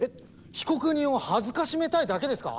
被告人を辱めたいだけですか？